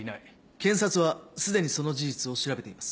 検察はすでにその事実を調べています。